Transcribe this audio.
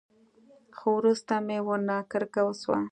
خو وروسته مې ورنه کرکه وسوه.